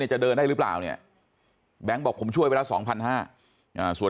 จะเดินได้หรือเปล่าเนี่ยแบงค์บอกผมช่วยไปละ๒๕๐๐ส่วน